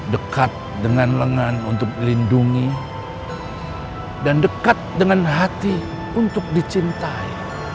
dekat dengan lengan untuk lindungi dan dekat dengan hati untuk dicintai